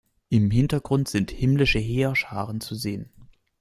Im Hintergrund sind himmlische Heerscharen zu sehen.